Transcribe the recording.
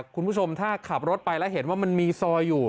คุณผู้ชมถ้าขับรถไปแล้วเห็นว่ามันมีซอยอยู่